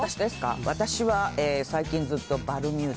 私は最近ずっとバルミューダ。